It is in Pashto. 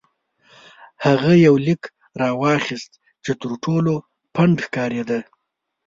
هغه یو لیک راواخیست چې تر ټولو پڼد ښکارېده.